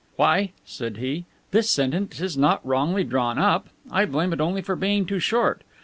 "Why," said he, "this sentence is not wrongly drawn up. I blame it only for being too short.